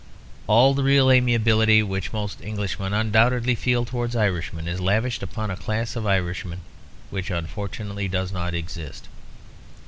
All the real amiability which most Englishmen undoubtedly feel towards Irishmen is lavished upon a class of Irishmen which unfortunately does not exist.